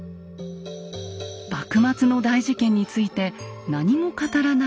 幕末の大事件について何も語らない慶喜。